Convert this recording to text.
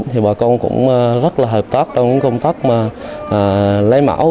thì bà con cũng rất là hợp tác trong công tác lấy mẫu